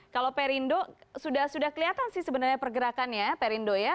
kalau perindo sudah kelihatan sih sebenarnya pergerakannya perindo ya